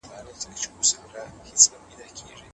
ليکوال بايد د ټولني عقل ته درناوی ولري.